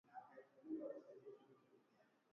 hutofautiana na huwa kati ya asilimia